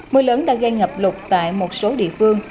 mưa lớn đã gây ngập lụt tại một số địa phương